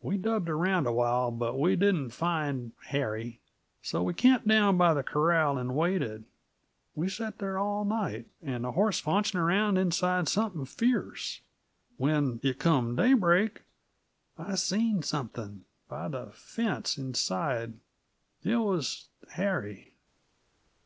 We dubbed around a while, but we didn't find Harry. So we camped down by the corral and waited. We set there all night and the horse faunching around inside something fierce. When it come daybreak I seen something by the fence, inside. It was Harry."